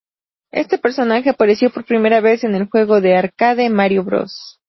Este personaje apareció por primera vez en el juego de arcade, "Mario Bros.